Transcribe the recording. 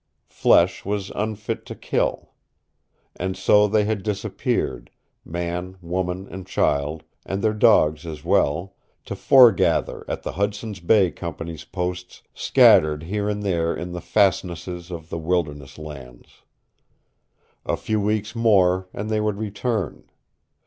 Flesh was unfit to kill. And so they had disappeared, man, woman and child, and their dogs as well, to foregather at the Hudson's Bay Company's posts scattered here and there in the fastnesses of the wilderness lands. A few weeks more and they would return.